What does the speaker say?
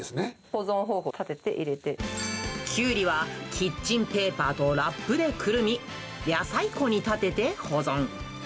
保存方法、キュウリはキッチンペーパーとラップでくるみ、野菜庫に立てて保存。